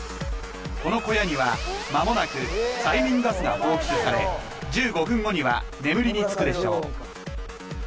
この小屋にはまもなく催眠ガスが放出され１５分後には眠りにつくでしょう